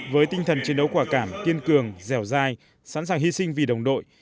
với tinh thần chiến đấu quả cảm kiên cường dẻo dai sẵn sàng hy sinh vì đồng đội